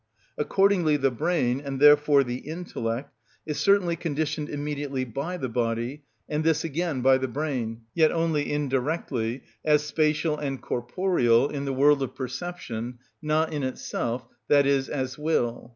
Accordingly the brain, and therefore the intellect, is certainly conditioned immediately by the body, and this again by the brain, yet only indirectly, as spatial and corporeal, in the world of perception, not in itself, i.e., as will.